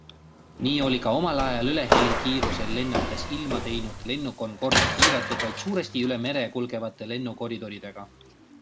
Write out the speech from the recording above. Nii oli ka omal ajal ülehelikiirusel lennates ilma teinud lennuk Concorde piiratud vaid suuresti üle mere kulgevate lennukoridoridega.